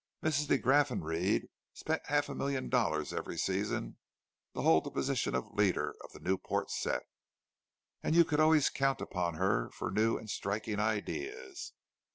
Mrs. de Graffenried spent half a million dollars every season to hold the position of leader of the Newport set, and you could always count upon her for new and striking ideas.